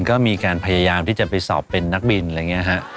ก็มีการพยายามที่จะไปสอบเป็นนักบินอะไรอย่างนี้ฮะ